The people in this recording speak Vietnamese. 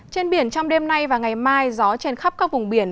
trên biển trong đêm nay và ngày mai gió trên khắp các vùng biển